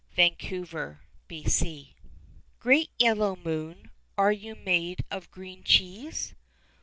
A QUERY. BEAT yellow Moon, are you made of green cheese